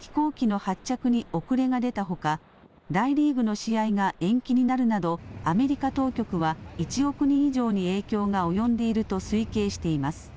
飛行機の発着に遅れが出たほか大リーグの試合が延期になるなどアメリカ当局は１億人以上に影響が及んでいると推計しています。